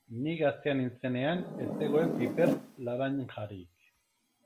Ni gaztea nintzenean ez zegoen piper laranjarik.